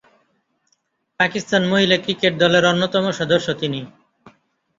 পাকিস্তান মহিলা ক্রিকেট দলের অন্যতম সদস্য তিনি।